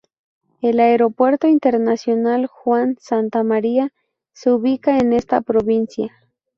El Aeropuerto Internacional Juan Santamaría se ubica en esta provincia.